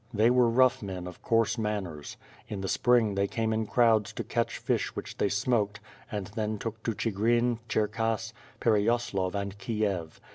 They were rough men of coarse manners. In the spring they came in crowds to catch fish which they smoked, and then took to Chigrin, CherLass, Per cyaslav and Kiev.